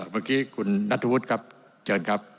บางทีคุณนัทธวุฒิครับเจิญครับ